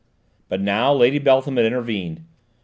But now Lady Beltham had intervened.